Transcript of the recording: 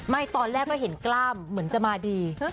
ตอนแรกก็เห็นกล้ามเหมือนจะมาดี